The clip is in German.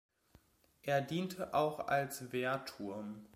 Er diente auch als Wehrturm.